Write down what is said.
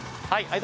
はい。